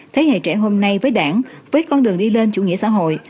thế hệ trẻ hôm nay với đảng với con đường đi lên chủ nghĩa xã hội